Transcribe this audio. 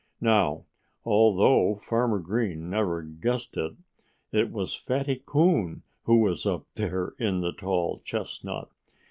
Now, although Farmer Green never guessed it, it was Fatty Coon who was up there in the tall chestnut.